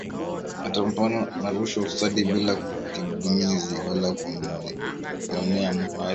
Atapambana na rushwa na ufisadi bila kigugumizi wala kuoneana muhali